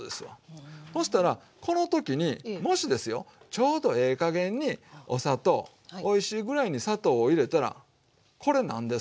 そしたらこの時にもしですよちょうどええ加減にお砂糖おいしいぐらいに砂糖を入れたらこれ何ですか？